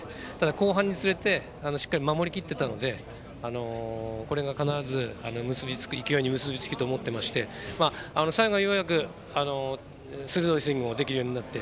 後半につれてしっかりと守り切っていたのでこれが必ず勢いに結びつくと思っていまして最後、ようやく鋭いスイングもできるようになって。